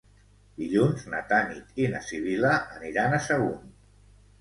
Dilluns na Tanit i na Sibil·la aniran a Sagunt.